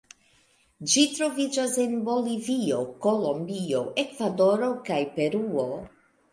Ĝi troviĝas en Bolivio, Kolombio, Ekvadoro kaj Peruo.